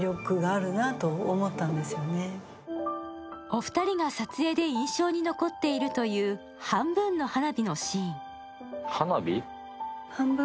お二人が撮影で印象に残っているという半分の花火のシーン。